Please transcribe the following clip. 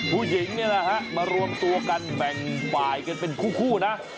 ผู้หญิงเนี่ยนะฮะมารวมตัวกันแบ่งฝ่ายกันเป็นคู่นะ